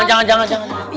jangan jangan jangan